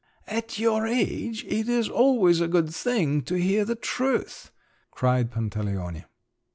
"At your age it is always a good thing to hear the truth!" cried Pantaleone.